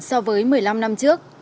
so với một mươi năm năm trước